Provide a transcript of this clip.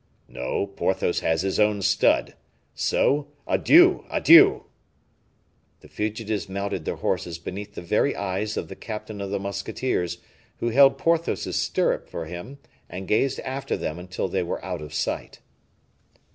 "No; Porthos has his own stud. So adieu! adieu!" The fugitives mounted their horses beneath the very eyes of the captain of the musketeers, who held Porthos's stirrup for him, and gazed after them until they were out of sight.